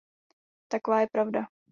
Taková je pravda.